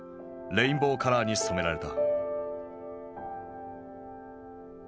レインボーカラーに染められた。